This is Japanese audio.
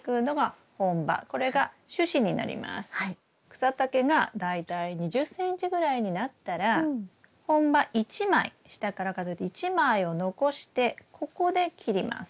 草丈が大体２０ｃｍぐらいになったら本葉１枚下から数えて１枚を残してここで切ります。